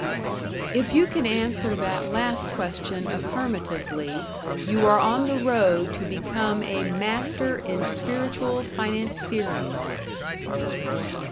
If you can answer that last question affirmatively, you are on the road to become a Master in Spiritual Financiering.